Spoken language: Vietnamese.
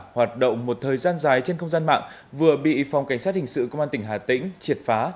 hoạt động một thời gian dài trên không gian mạng vừa bị phòng cảnh sát hình sự công an tỉnh hà tĩnh triệt phá